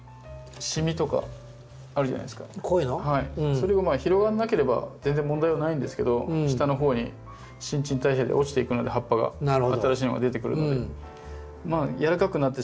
それが広がらなければ全然問題はないんですけど下のほうに新陳代謝で落ちていくので葉っぱが新しいのが出てくるので。